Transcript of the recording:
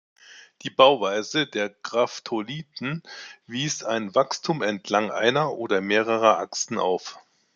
Die Bauweise der Graptolithen wies ein Wachstum entlang einer oder mehrerer Achsen auf.